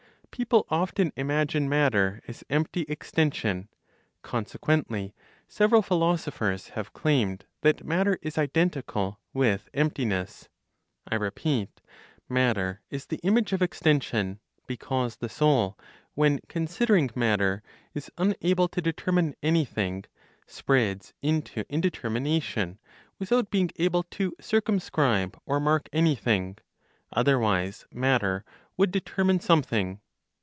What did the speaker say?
People often imagine matter as empty extension; consequently several philosophers have claimed that matter is identical with emptiness. I repeat: matter is the image of extension because the soul, when considering matter, is unable to determine anything, spreads into indetermination, without being able to circumscribe or mark anything; otherwise, matter would determine something.